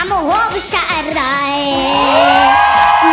โมโฮโมโฮโมโฮ